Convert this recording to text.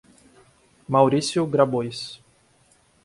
Mauricio Grabois